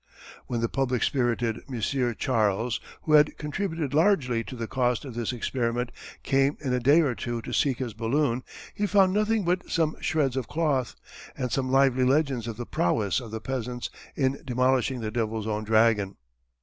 When the public spirited M. Charles who had contributed largely to the cost of this experiment came in a day or two to seek his balloon he found nothing but some shreds of cloth, and some lively legends of the prowess of the peasants in demolishing the devil's own dragon.